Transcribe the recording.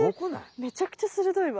めちゃくちゃ鋭いわ。